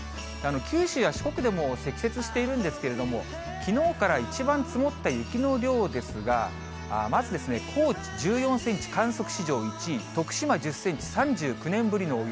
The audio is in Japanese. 九州や四国でも積雪しているんですけれども、きのうから一番積もった雪の量ですが、まず高知、１４センチ、観測史上１位、徳島１０センチ、３９年ぶりの大雪。